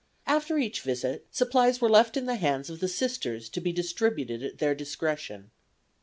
After each visit supplies were left in the hands of the Sisters to be distributed at their discretion.